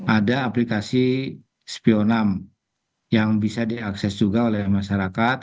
ada aplikasi spionam yang bisa diakses juga oleh masyarakat